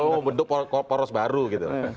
oh bentuk poros baru gitu